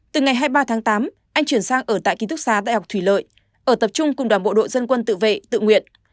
từ ngày hai mươi ba tháng tám anh chuyển sang ở tại ký túc xá đại học thủy lợi ở tập trung cùng đoàn bộ đội dân quân tự vệ tự nguyện